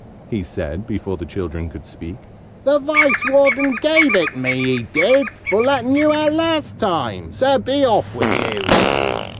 he said, before the children could speak. "The Vice warden gave it me, he did, for letting you out last time! So be off with you!"